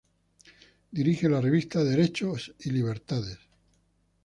Dirige la Revista Derechos y Libertades.